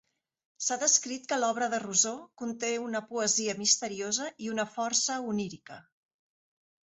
S'ha descrit que l'obra de Rousseau conté una "poesia misteriosa" i una força onírica".